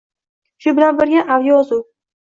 Shu bilan birga, audio yozuv J